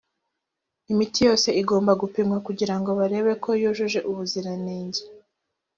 imiti yose igomba gupimwa kugirango barebe ko yujuje ubuziranenge